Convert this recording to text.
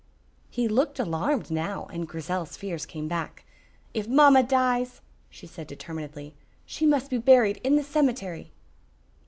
He looked alarmed now, and Grizel's fears came back. "If mamma dies," she said determinedly, "she must be buried in the cemetery."